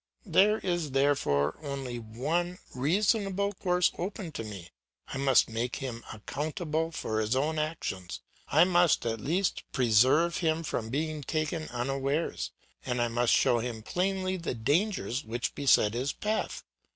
There is therefore only one reasonable course open to me; I must make him accountable for his own actions, I must at least preserve him from being taken unawares, and I must show him plainly the dangers which beset his path.